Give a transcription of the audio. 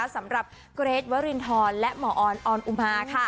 สำหรับเกรทวรินทรและหมอออนออนอุมา